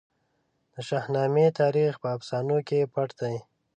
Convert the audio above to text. د شاهنامې تاریخ په افسانو کې پټ دی.